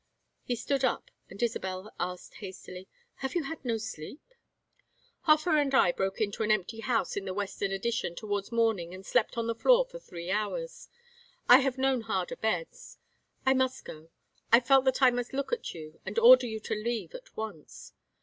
He stood up, and Isabel asked, hastily: "Have you had no sleep?" "Hofer and I broke into an empty house in the Western Addition towards morning and slept on the floor for three hours. I have known harder beds. I must go. I felt that I must look at you and order you to leave at once."